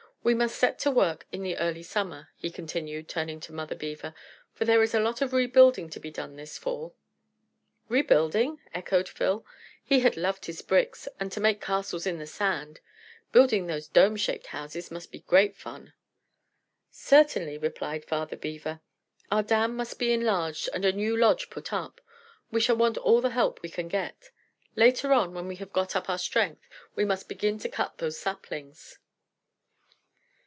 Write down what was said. We must set to work in the early summer," he continued, turning to Mother Beaver, "for there is a lot of rebuilding to be done this fall." "Rebuilding?" echoed Phil. He had loved his bricks, and to make castles in the sand; building those dome shaped houses must be great fun. "Certainly," replied Father Beaver. "Our dam must be enlarged, and a new lodge put up. We shall want all the help we can get. Later on, when we have got up our strength, we must begin to cut those saplings."